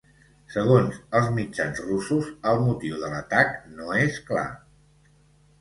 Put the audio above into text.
Segons els mitjans russos, el motiu de l’atac no és clar.